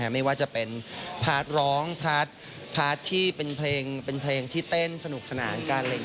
ไม่ว่าจะเป็นพาร์ทร้องพาร์ทที่เป็นเพลงเป็นเพลงที่เต้นสนุกสนานกัน